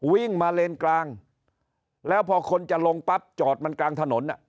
วิ่งมาเลนกลางแล้วพอคนจะลงปั๊บจอดมันกลางถนน